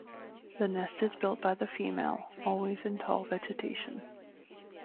The nest is built by the female, always in tall vegetation.